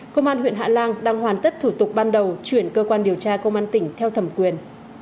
công an huyện hạ lan đang hoàn tất thủ tục ban đầu chuyển cơ quan điều tra công an tỉnh theo thẩm quyền